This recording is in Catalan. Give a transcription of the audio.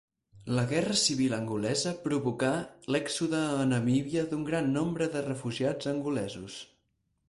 La guerra civil angolesa provocà l'èxode a Namíbia d'un gran nombre de refugiats angolesos.